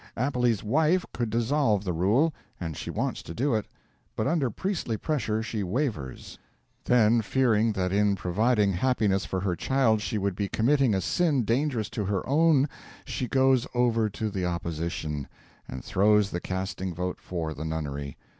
Appelles' wife could dissolve the rule; and she wants to do it; but under priestly pressure she wavers; then, fearing that in providing happiness for her child she would be committing a sin dangerous to her own, she goes over to the opposition, and throws the casting vote for the nunnery.